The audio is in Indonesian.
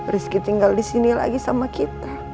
rizky tinggal di sini lagi sama kita